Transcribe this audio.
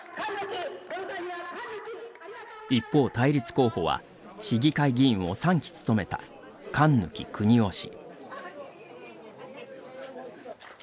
一方、対立候補は市議会議員を３期務めた関貫久仁郎氏。